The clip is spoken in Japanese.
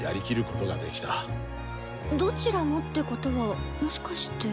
「どちらも」ってことはもしかして。